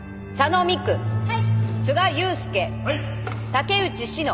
竹内志乃。